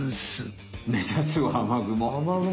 目指すは雨雲。